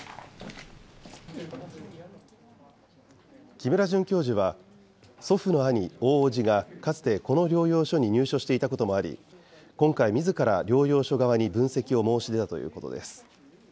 木村准教授は、祖父の兄、大伯父がかつてこの療養所に入所していたこともあり、今回、みずから療養所側に分析を申し出たということです。